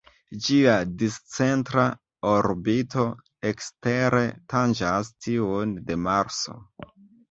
Ĝia discentra orbito ekstere tanĝas tiun de Marso.